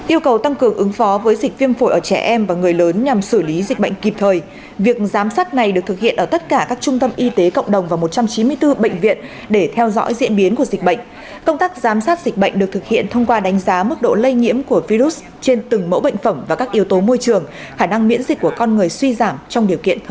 yêu cầu tăng cường ứng phó với dịch viêm phổi ở trẻ em và người lớn